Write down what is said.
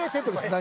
何？